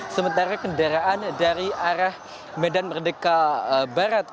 sementara kendaraan dari arah medan merdeka barat